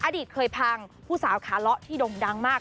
อดีตเคยพังผู้สาวขาเลาะที่ด่งดังมาก